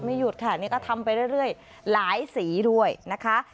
หยุดค่ะนี่ก็ทำไปเรื่อยหลายสีด้วยนะคะ